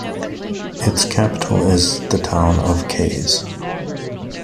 Its capital is the town of Kayes.